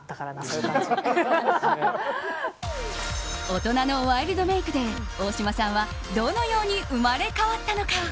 大人のワイルドメイクで大島さんはどのように生まれ変わったのか。